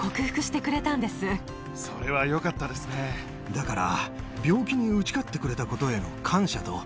だから。